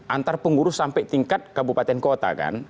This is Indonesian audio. antar pengurus sampai tingkat kabupaten kota kan